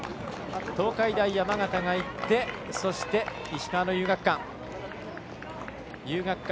東海大山形がいってそして、石川の遊学館。